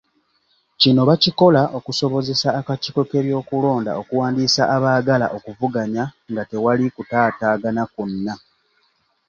Kino bakikola okusobozesa akakiiko k'ebyokulonda okuwandiisa abaagala okuvuganya nga tewali kutaataagana kwonna.